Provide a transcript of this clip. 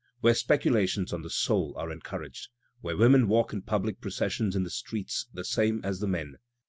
Where speculations on the soul are encouraged. Where women walk in public processions in the streets the same as the men.